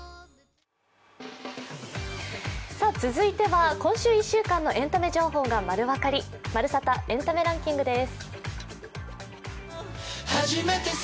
続いては今週１週間のエンタメ情報がまる分かり、「まるサタ！エンタメランキング」です。